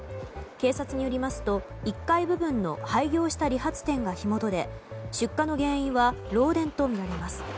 警察によりますと、１階部分の廃業した理髪店が火元で出火の原因は漏電とみられます。